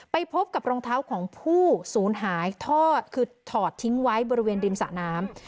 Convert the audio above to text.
ไปพบกับรองเท้าของผู้ศูนย์หายทอดคือถอดทิ้งไว้บริเวณริมสระน้ำ